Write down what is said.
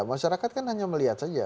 masyarakat kan hanya melihat saja